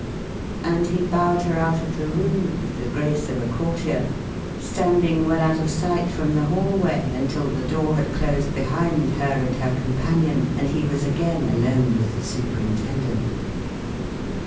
And he bowed her out of the room with the grace of a courtier, standing well out of sight from the hallway until the door had closed behind her and her companion and he was again alone with the superintendent.